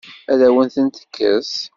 Ad awen-tent-tekkes?